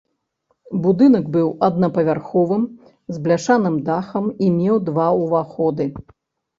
Будынак быў аднапавярховым, з бляшаным дахам і меў два ўваходы.